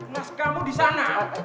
mas kamu di sana